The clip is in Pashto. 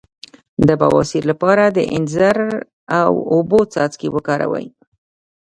د بواسیر لپاره د انځر او اوبو څاڅکي وکاروئ